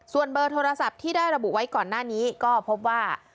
ส่วนเบอร์โทรศัพท์ที่ได้ระบุไว้ก่อนหน้านี้ก็พบว่า